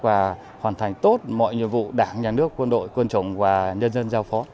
và hoàn thành tốt mọi nhiệm vụ đảng nhà nước quân đội quân chủng và nhân dân giao phó